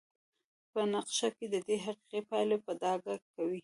په نقشه کې ددې حقیق پایلې په ډاګه کوي.